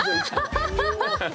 ハハハハ！